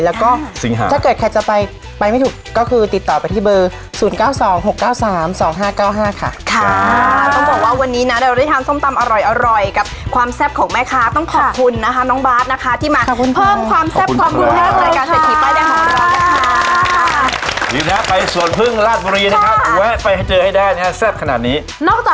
แล้วก็ถ้าเกิดใครจะไปไปไม่ถูกก็คือติดต่อไปที่เบอร์๐๙๒๖๙๓๒๕๙๕ค่ะ